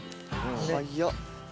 早っ。